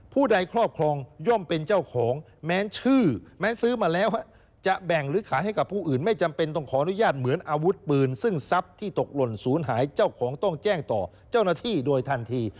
ผู้ใดครอบครองย่อมเป็นเจ้าของแม้ชื่อแม้ซื้อมาแล้วจะแบ่งหรือขายให้กับผู้อื่นไม่จำเป็นต้องขออนุญาตเหมือนอาวุธปืนซึ่งทรัพย์ที่ตกหล่นศูนย์หายเจ้าของต้องแจ้งต่อเจ้าหน้าที่โดยทันที